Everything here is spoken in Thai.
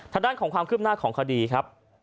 ทางด้านของความคืบหน้าของคดีครับ